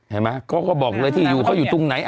เห็นไหมเขาก็บอกเลยที่อยู่เขาอยู่ตรงไหน